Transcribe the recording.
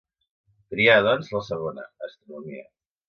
Trià, doncs, la segona: astronomia.